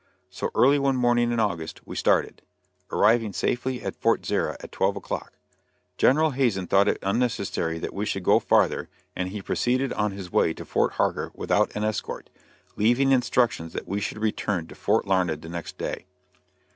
So, early one morning in August, we started; arriving safely at Fort Zarah at twelve o'clock. General Hazen thought it unnecessary that we should go farther, and he proceeded on his way to Fort Harker without an escort, leaving instructions that we should return to Fort Larned the next day.